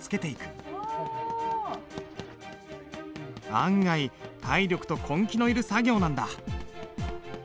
案外体力と根気のいる作業なんだ。